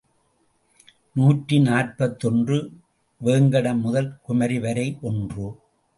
நூற்றி நாற்பத்தொன்று வேங்கடம் முதல் குமரி வரை ஒன்று.